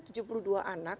tujuh puluh dua anak